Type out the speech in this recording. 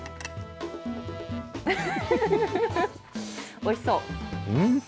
おいしそう。